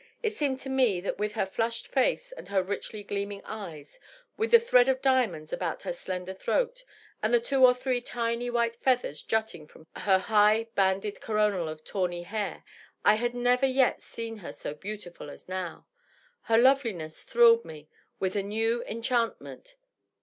It seemed to me that with her flushed face and her richly gleaming eyes, with the thread of diamonds about her DOUGLAS DUANE, 693 slender throat and the two or three tiny white feathers jutting from her high, banded coronal of taWny hair, I had never yet seen her so beau tiful as now. Her loveliness thrilled me with a new enchantment.